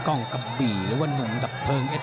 ตั้งแต่จอลินมันสึกเหมือนแบบ